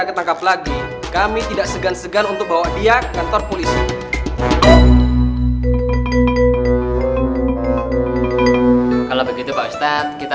ketangkap lagi kami tidak segan segan untuk bawa dia ke kantor polisi kalau begitu pak ustadz kita